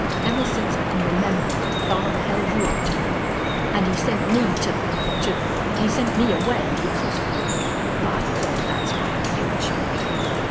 Ever since I can remember my father held you up to me! And he sent me to to he sent me away because of you. By God! that's why I hate you!"